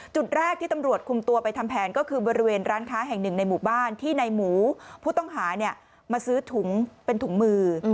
จุดแรกที่ตำรวจคุมตัวไปทำแผนก็คือบริเวณร้านค้าแห่งหนึ่งในหมู่บ้านที่ในหมูผู้ต้องหามาซื้อถุงเป็นถุงมือ